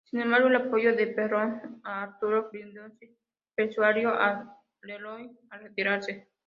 Sin embargo, el apoyo de Perón a Arturo Frondizi, persuadió a Leloir a retirarse.